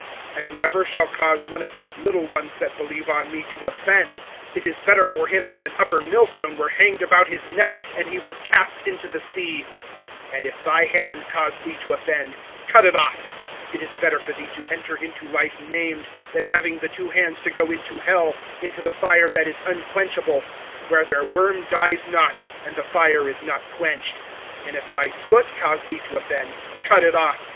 (42)And whoever shall cause one of these little ones that believe on me to offend, it is better for him that an upper millstone were hanged about his neck, and he were cast into the sea. (43)And if thy hand cause thee to offend, cut it off. It is better for thee to enter into life maimed, than having the two hands to go into hell, into the fire that is unquenchable; (44)where their worm dies not, and the fire is not quenched. (45)And if thy foot cause thee to offend, cut it off.